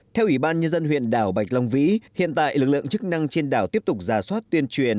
theo ủy ban nhân dân huyện đảo bạch long vĩ hiện tại lực lượng chức năng trên đảo tiếp tục giả soát tuyên truyền